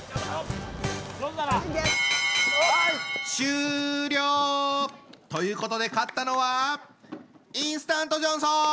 終了！ということで勝ったのはインスタントジョンソン！